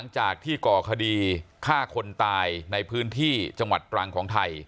ก่อคดีฆ่าคนตายในพื้นที่จังหวัดตรังของไทย